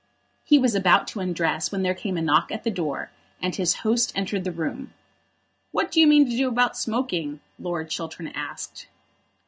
He was about to undress when there came a knock at the door, and his host entered the room. "What do you mean to do about smoking?" Lord Chiltern asked.